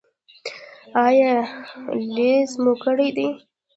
ایا لیزر مو کړی دی؟